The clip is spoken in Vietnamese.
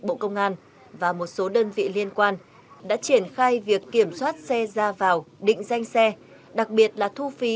bộ công an và một số đơn vị liên quan đã triển khai việc kiểm soát xe ra vào định danh xe đặc biệt là thu phí